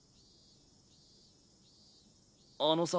あのさ。